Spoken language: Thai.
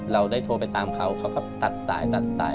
เราได้โทรไปตามเขาเขาก็ตัดสายตัดสาย